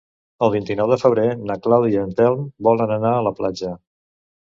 El vint-i-nou de febrer na Clàudia i en Telm volen anar a la platja.